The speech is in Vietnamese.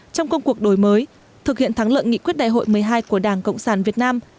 trong công cuộc đổi mới thực hiện thắng lợi nghị quyết đại hội một mươi hai của đảng cộng sản việt nam